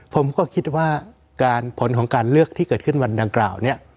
ผมก็คิดว่าการผลของการเลือกที่เกิดขึ้นวันดังกล่าวเนี่ย